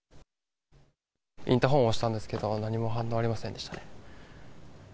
インターホンを押したんですけど、何も反応がありませんでしたね。